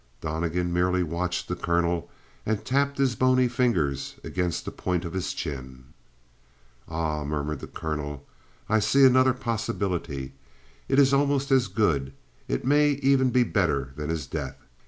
Donnegan merely watched the colonel and tapped his bony finger against the point of his chin. "Ah," murmured the colonel, "I see another possibility. It is almost as good it may even be better than his death.